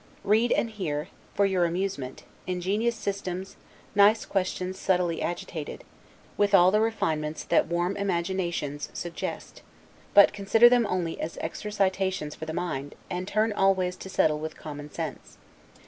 Read and hear, for your amusement, ingenious systems, nice questions subtilly agitated, with all the refinements that warm imaginations suggest; but consider them only as exercitations for the mind, and turn always to settle with common sense.